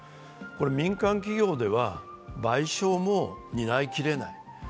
民間企業では賠償も担いきれない。